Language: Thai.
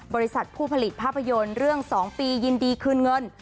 บริษัทผู้ผลิตภาพยนตร์เรื่อง๒ปียินดีคืนเงิน